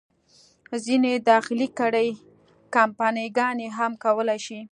ځینې داخلي کړۍ، کمپني ګانې هم کولای شي.